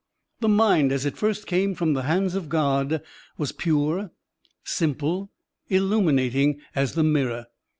The mind as it first came from the hands of God was pure, simple, illtmiinating as the mirror.